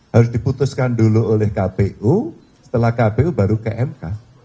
harus diputuskan dulu oleh kpu setelah kpu baru ke mk